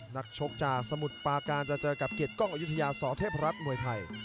นักชกจากสมุทรปาการจะเจอกับเกียรติกล้องอายุทยาสเทพรัฐมวยไทย